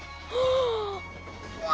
うわ！